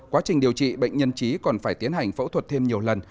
quá trình điều trị bệnh nhân trí còn phải tiến hành phẫu thuật thêm nhiều lần